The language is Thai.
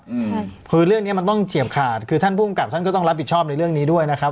อืมใช่คือเรื่องเนี้ยมันต้องเฉียบขาดคือท่านภูมิกับท่านก็ต้องรับผิดชอบในเรื่องนี้ด้วยนะครับ